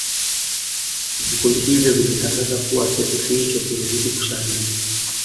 vikiundi hivyo vilitangaza kuwa kirusi hicho kimezidi kushamili